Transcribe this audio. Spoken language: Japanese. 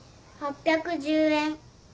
８１０円。